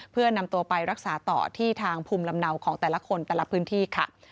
เพื่อนำตัวไปรักษาต่อที่ทางภูมิลำเนาของแต่ละคนแต่ละพื้นที่ค่ะ